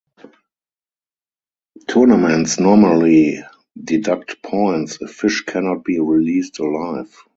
Tournaments normally deduct points if fish can not be released alive.